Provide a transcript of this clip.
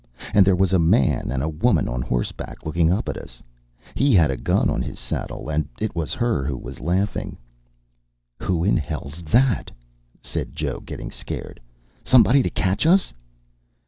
And there was a man and woman on horseback looking up at us. He had a gun on his saddle, and it was her who was laughing. "Who in hell's that?" said Joe, getting scared. "Somebody to catch us?"